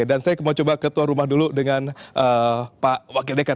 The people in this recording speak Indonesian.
dan saya mau coba ketua rumah dulu dengan pak wakil dekan